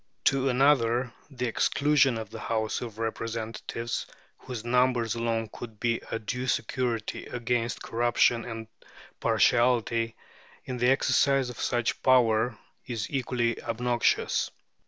To another the exclusion of the House of Representatives, whose numbers alone could be a due security against corruption and partiality in the exercise of such a power, is equally obnoxious.